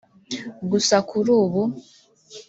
Gusa kuri ubu